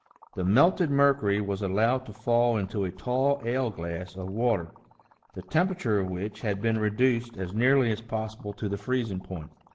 The melted mercury was allowed to fall into a tall ale glass of water, the temperature of which had been reduced as nearly as possible to the freezing point.